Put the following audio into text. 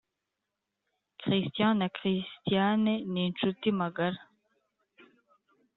christian na christiane ninshuti magara